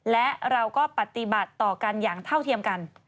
และเราก็ปฏิบัติต่อกันอย่างเท่าเทียมกัน